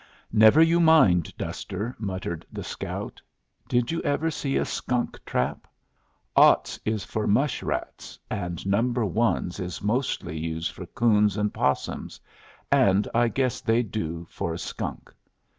"Never you mind, Duster," muttered the scout. "Did you ever see a skunk trap? Oughts is for mush rats, and number ones is mostly used for 'coons and 'possums, and I guess they'd do for a skunk.